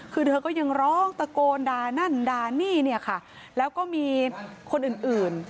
คือเธอก็ยังร้องตะโกนด่านั่นด่านี่เนี่ยค่ะแล้วก็มีคนอื่นอื่น